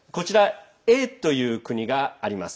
Ａという国があります。